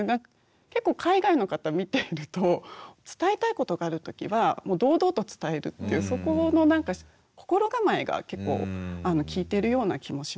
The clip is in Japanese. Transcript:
結構海外の方見ていると伝えたいことがある時はもう堂々と伝えるっていうそこのなんか心構えが結構効いてるような気もします。